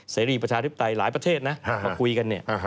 สายรีประชาธิบไตรหลายประเทศมาคุยกัน